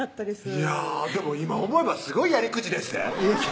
いやぁでも今思えばすごいやり口でっせ